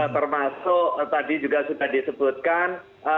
termasuk tadi juga sudah disebutkan